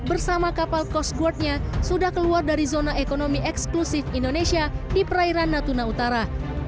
bersama kapal coast guardnya sudah keluar dari zona ekonomi eksklusif indonesia di perairan natuna utara